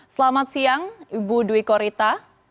selamat siang ibu dwi korita